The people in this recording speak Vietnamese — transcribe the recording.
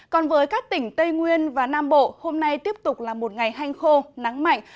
còn với các tỉnh tây nguyên và nam bộ hôm nay tiếp tục là một ngày hanh khô nắng mạnh